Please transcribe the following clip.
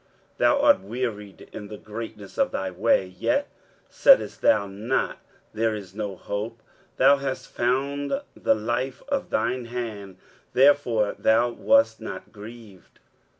23:057:010 Thou art wearied in the greatness of thy way; yet saidst thou not, There is no hope: thou hast found the life of thine hand; therefore thou wast not grieved.